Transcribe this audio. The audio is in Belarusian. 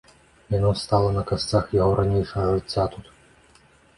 Яно стала на касцях яго ранейшага жыцця тут.